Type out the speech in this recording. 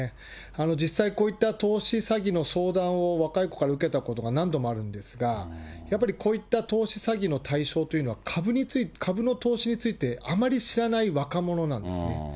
実際こういった投資詐欺の相談を若い子から受けたことが何度もあるんですが、やっぱりこういった投資詐欺の対象というのは、株について、株の投資についてあまり知らない若者なんですね。